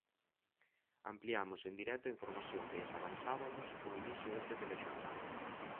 Ampliamos en directo a información que lles avanzabamos ao inicio deste telexornal.